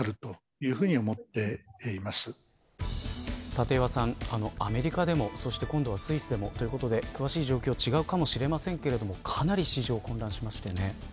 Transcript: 立岩さん、アメリカでもそして今度はスイスでもということで詳しい状況は違うかもしれませんがかなり、市場混乱しましたね。